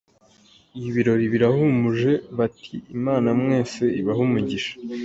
Ibirori birahumuje, bati "Imana mwese ibahe umugisha".